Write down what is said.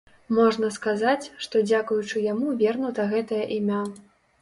Можна сказаць, што дзякуючы яму вернута гэтае імя.